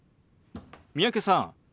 三宅さん